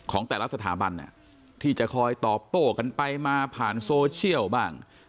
ของแต่ละสถาบันที่จะคอยตอบโต้กันไปมาผ่านโซเชียลบ้าง